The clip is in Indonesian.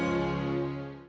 sampai jumpa lagi